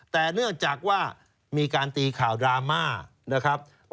แต่เนื่องจากว่ามีการตีข่าวดราม่านะครับ